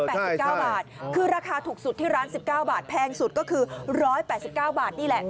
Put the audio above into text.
นี่๑๘๙บาทคือราคาถูกสุดที่ร้าน๑๙บาทแพงสุดก็คือ๑๘๙บาทนี่แหละ